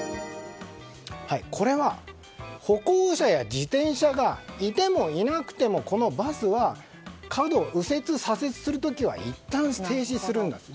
これは、歩行者や自転車がいてもいなくてもこのバスは、角を右折、左折する時は一旦停止するんだと。